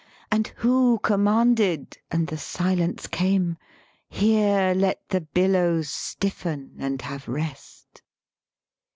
And who commanded (and the silence came), Here let the billows stiffen, and have rest?